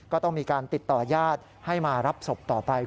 ก็ต้องมีการติดต่อญาติให้มารับศพต่อไป